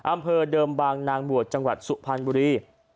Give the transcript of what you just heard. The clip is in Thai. อำเภอเดิมบางนางบวชจังหวัดสุพรรณบุรี